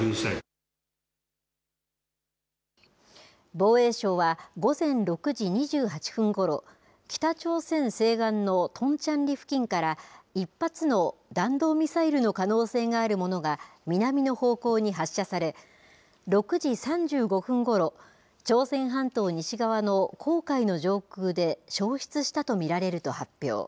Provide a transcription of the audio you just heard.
防衛省は、午前６時２８分ごろ、北朝鮮西岸のトンチャンリ付近から、１発の弾道ミサイルの可能性のあるものが南の方向に発射され、６時３５分ごろ、朝鮮半島西側の黄海の上空で消失したと見られると発表。